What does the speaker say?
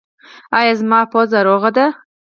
ایا زما پوزه روغه ده؟